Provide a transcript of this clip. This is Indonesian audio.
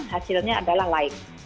hasilnya adalah lain